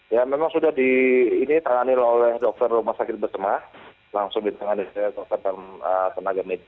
ya memang sudah ditangani oleh dokter rumah sakit bersemah langsung ditangani dokter tenaga medis